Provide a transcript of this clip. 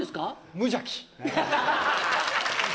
無邪気。